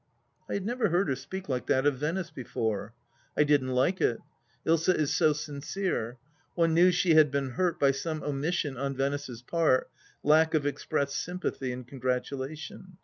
I had never heard her speak like that of Venice before. I didn't like it. Ilsa is so sincere ; one knew she had been hurt by some omission on Venice's part — lack of expressed sympathy and congratulation.